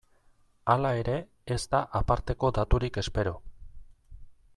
Hala ere, ez da aparteko daturik espero.